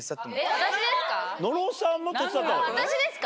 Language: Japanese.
私ですか？